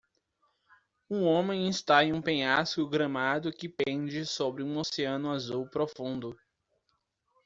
um homem está em um penhasco gramado que pende sobre um oceano azul profundo.